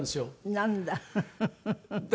なんだ。